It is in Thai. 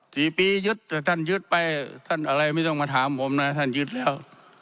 กี่ปียึดแต่ท่านยึดไปท่านอะไรไม่ต้องมาถามผมนะท่านยึดแล้ว